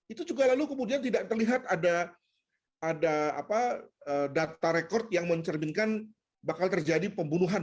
itu juga lalu kemudian tidak terlihat ada data record yang mencerminkan bakal terjadi pembunuhan